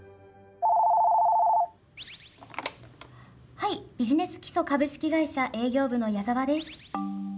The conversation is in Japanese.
☎はいビジネス基礎株式会社営業部の矢澤です。